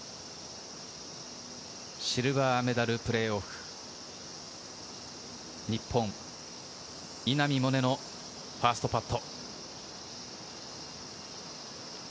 シルバーメダルプレーオフ。日本・稲見萌寧のファーストパット。